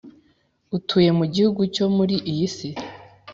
Utuye mu gihugu cyo muri iyi si